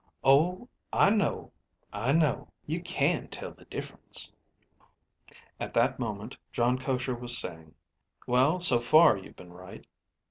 "Oh, I know. I know. You can tell the difference." At that moment, Jon Koshar was saying, "Well, so far you've been right."